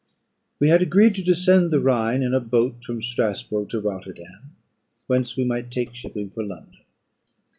We had agreed to descend the Rhine in a boat from Strasburgh to Rotterdam, whence we might take shipping for London.